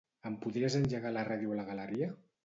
Em podries engegar la ràdio a la galeria?